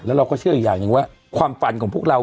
เราก็เชื่ออีกอย่างหนึ่งว่าความฝันของพวกเรา